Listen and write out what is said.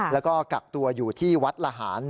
แล้วก็กักตัวอยู่ที่วัดละหาร